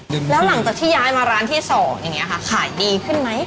แล้วหลังจากที่ย้ายมาร้านที่๒ขายดีขึ้นไหม